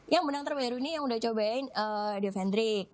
yang menang terbaru ini yang udah cobain adia fendrik